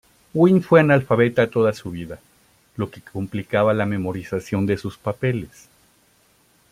Gwyn fue analfabeta toda su vida, lo que complicaba la memorización de sus papeles.